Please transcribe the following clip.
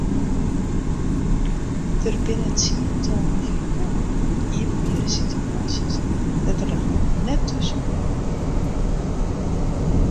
Der binne tsientallen ferhalen oer iepenbiere situaasjes dêr't er de hannen net thúshâlde koe.